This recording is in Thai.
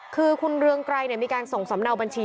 คือคุณเรืองไกรมีการส่งสำเนาบัญชี